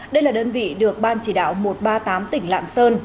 đây là đơn vị được ban chỉ đạo một trăm ba mươi tám tỉnh lạng sơn